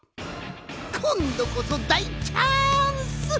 こんどこそだいチャンス！